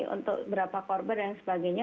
untuk berapa korban dan sebagainya